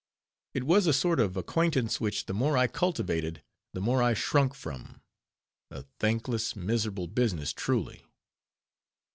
It was a sort of acquaintance, which the more I cultivated, the more I shrunk from; a thankless, miserable business, truly.